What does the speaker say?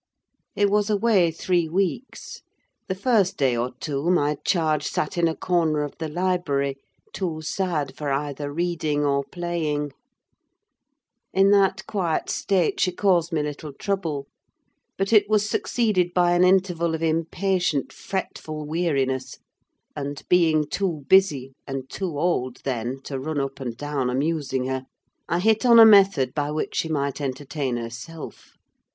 He was away three weeks. The first day or two my charge sat in a corner of the library, too sad for either reading or playing: in that quiet state she caused me little trouble; but it was succeeded by an interval of impatient, fretful weariness; and being too busy, and too old then, to run up and down amusing her, I hit on a method by which she might entertain herself.